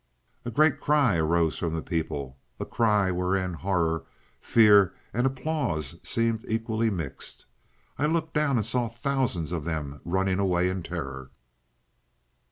"A great cry arose from the people a cry wherein horror, fear, and applause seemed equally mixed. I looked down and saw thousands of them running away in terror.